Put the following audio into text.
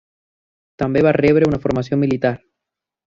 També va rebre una formació militar.